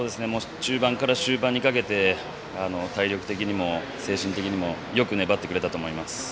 中盤から終盤にかけて体力的にも精神的にもよく粘ってくれたと思います。